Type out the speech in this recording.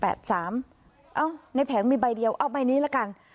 เอ้าในแผงมีใบเดียวเอาใบนี้ละกัน